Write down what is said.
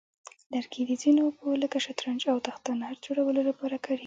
لرګي د ځینو لوبو لکه شطرنج او تخته نرد جوړولو لپاره کارېږي.